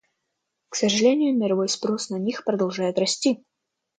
К сожалению, мировой спрос на них продолжает расти.